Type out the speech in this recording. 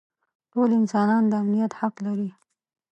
ټول انسانان د امنیت حق لري.